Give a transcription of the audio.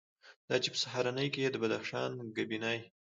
دا چې په سهارنۍ کې یې د بدخشان ګبیني،